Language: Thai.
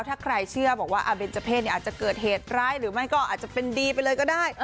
ถ้าใครเชื่อบอกว่าอาเบนเจอร์เพศอาจจะเกิดเหตุร้ายหรือไม่ก็อาจจะเป็นดีไปเลยก็ได้